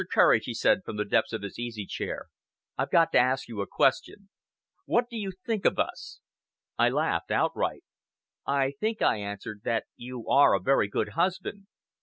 Courage," he said from the depths of his easy chair, "I've got to ask you a question. What do you think of us?" I laughed outright. "I think," I answered, "that you are a very good husband."